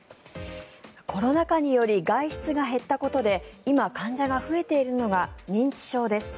コロナ禍により外出が減ったことで今、患者が増えているのが認知症です。